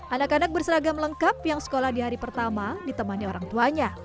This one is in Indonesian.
anak anak berseragam lengkap yang sekolah di hari pertama ditemani orang tuanya